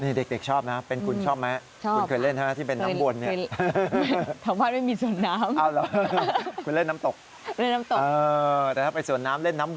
นี่เด็กชอบนะเป็นคุณชอบไหม